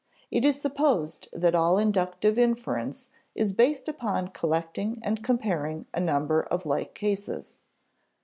It is supposed that all inductive inference is based upon collecting and comparing a number of like cases.